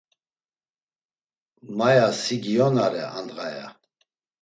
Ma, ya; si giyonare a ndğa, ya.